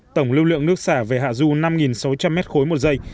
tổng lưu lượng nước xả về hạ du năm sáu trăm linh mét khối một giây